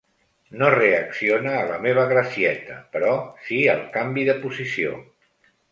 No reacciona a la meva gracieta, però sí al canvi de posició.